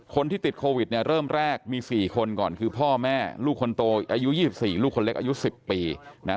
คนที่ติดโควิดเนี่ยเริ่มแรกมี๔คนก่อนคือพ่อแม่ลูกคนโตอายุ๒๔ลูกคนเล็กอายุ๑๐ปีนะ